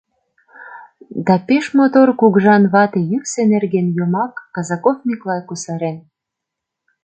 да пеш мотор кугыжан вате-йӱксӧ нерген йомак, Казаков Миклай кусарен